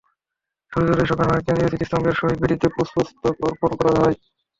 সূর্যোদয়ের সঙ্গে সঙ্গে কেন্দ্রীয় স্মৃতিস্তম্ভের শহীদ বেদিতে পুষ্পস্তবক অর্পণ করা হয়।